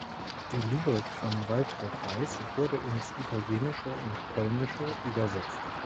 Die Lyrik von Waltraud Weiß wurde ins Italienische und Polnische übersetzt.